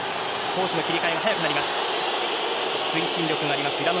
攻守の切り替えが早くなります。